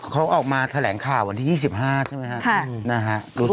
เขาออกมาแถลงข่าววันที่๒๕ใช่ไหมครับ